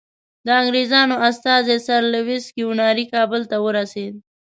د انګریزانو استازی سر لویس کیوناري کابل ته ورسېد.